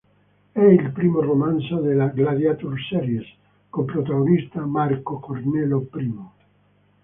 È il primo romanzo della "Gladiator Series" con protagonista Marco Cornelio Primo.